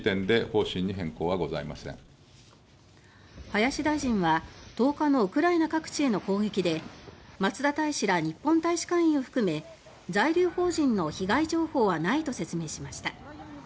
林大臣は、１０日のウクライナ各地への攻撃で松田大使ら日本大使館員を含め在留邦人の被害情報はないと説明しました。